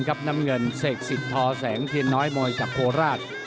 สินครับน้ำเงินเศษศิษฐ์ทอแสงเทียนน้อยมอยจากโภราช